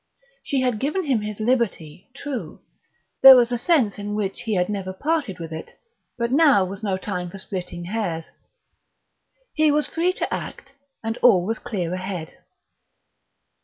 She had given him his liberty; true, there was a sense in which he had never parted with it, but now was no time for splitting hairs; he was free to act, and all was clear ahead.